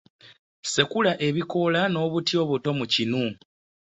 Sekula ebikoola n'obuti buto mu kinu.